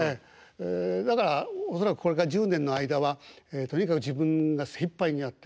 だから恐らくこれから１０年の間はとにかく自分が精いっぱいにやって。